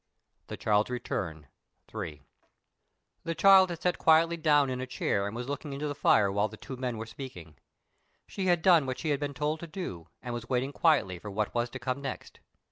THE CHILD'S RETURN.—III. The child had sat quietly down in a chair and was looking into the fire while the two men were speaking. She had done what she had been told to do, and was waiting quietly for what was to come next.